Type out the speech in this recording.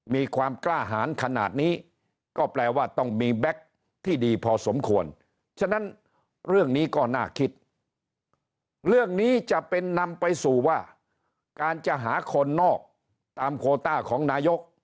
มีความกล้าหารขนาดนี้ก็แปลว่าต้องมีแบ็คที่ดีพอสมควรฉะนั้นเรื่องนี้ก็น่าคิดเรื่องนี้จะเป็นนำไปสู่ว่าการจะหาคนนอกตามโคต้าของนายก